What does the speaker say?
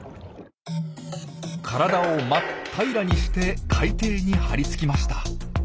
体を真っ平らにして海底に張り付きました。